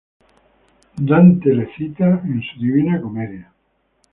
Dante le cita en su "Divina Comedia".